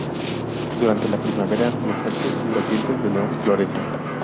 Durante la primavera, los cactus y los dientes de león florecen.